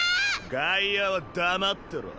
外野は黙ってろ。